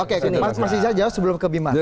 oke mas iza jawab sebelum ke bima